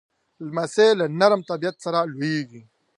لمسی له نرم طبیعت سره لویېږي.